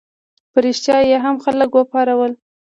په ریشتیا یې هم خلک وپارول.